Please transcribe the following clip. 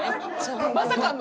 まさかの？